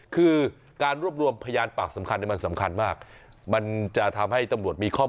คือการรวบรวมพยานปากสำคัญมันสำคัญมาก